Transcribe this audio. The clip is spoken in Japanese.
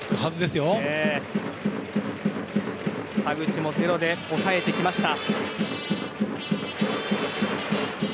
田口もゼロで抑えてきました。